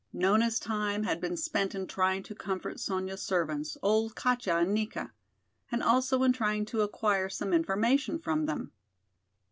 Nona's time had been spent in trying to comfort Sonya's servants, old Katja and Nika, and also in trying to acquire some information from them.